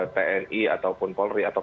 tni ataupun polri atau